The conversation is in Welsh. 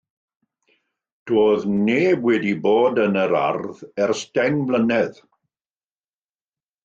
Doedd neb wedi bod yn yr ardd ers deng mlynedd.